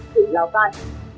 tỉnh lào tài